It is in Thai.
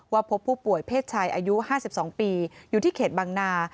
พบผู้ป่วยเพศชายอายุ๕๒ปีอยู่ที่เขตบางนา